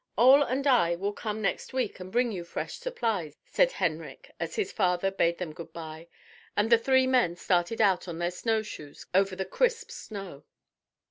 "Ole and I will come next week and bring you fresh supplies," said Henrik, as his father bade them good bye and the three men started out on their snow shoes over the crisp snow.